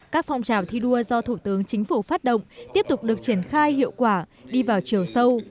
các phong trào thi đua do thủ tướng chính phủ phát động tiếp tục được triển khai hiệu quả đi vào chiều sâu